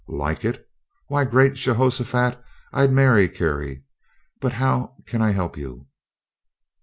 "Like it? Why, great Jehoshaphat! I'd marry Carrie but how can I help you?"